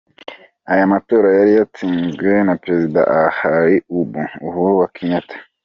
Ayo matora yari yatsinzwe na prezida ahari ubu, Uhuru Kenyatta.